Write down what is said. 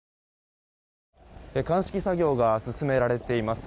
鑑識作業が進められています。